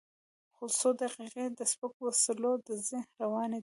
څو دقیقې د سپکو وسلو ډزې روانې وې.